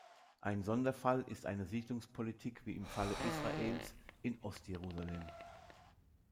Ein Sonderfall ist eine Siedlungspolitik wie im Falle Israels in Ostjerusalem.